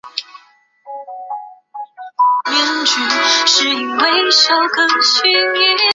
普拉塔瓦农村居民点是俄罗斯联邦沃罗涅日州列皮约夫卡区所属的一个农村居民点。